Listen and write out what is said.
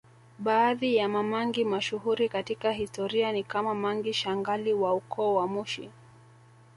Baadhi ya Mamangi mashuhuri katika historia ni kama Mangi Shangali wa ukoo wa Mushi